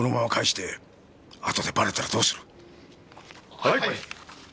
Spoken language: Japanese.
はい。